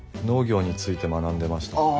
農業について学んでました。